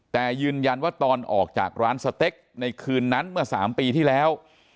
แต่ยืนยันว่าตอนออกจากร้านสเต็กในคืนนั้นเมื่อ๓ปีที่แล้ว